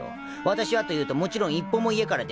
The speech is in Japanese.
［私はというともちろん一歩も家から出ません］